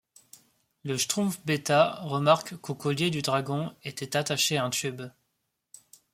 Le Schtroumpf Bêta remarque qu'au collier du dragon était attaché un tube.